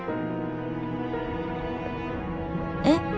えっ？